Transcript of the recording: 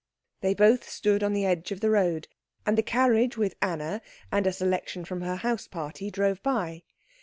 They both stood on the edge of the road, and the carriage with Anna and a selection from her house party drove by.